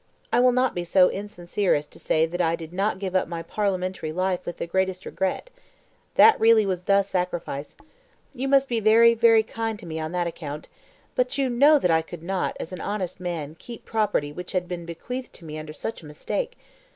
I will not be so insincere as to say that I did not give up my parliamentary life with the greatest regret. That really was THE sacrifice. You must be very, very kind to me on that account; but you know that I could not, as an honest man, keep property which had been bequeathed to me under such a mistake.